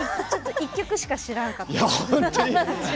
１曲しか知らんかったうち